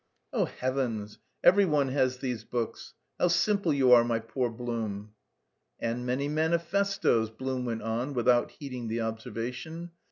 "Oh heavens! Every one has these books; how simple you are, my poor Blum." "And many manifestoes," Blum went on without heeding the observation.